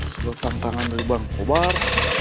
sudah tangan tangan dari bang kobar